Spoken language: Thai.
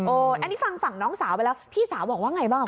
อันนี้ฟังฝั่งน้องสาวไปแล้วพี่สาวบอกว่าไงบ้าง